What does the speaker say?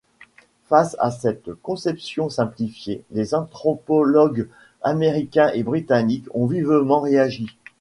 Face à cette conception simplifiée, les anthropologues américains et britanniques ont vivement réagi.